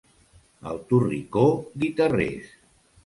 Al Torricó, guitarrers.